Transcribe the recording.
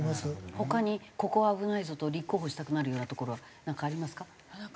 他にここは危ないぞと立候補したくなるような所はなんかありますか？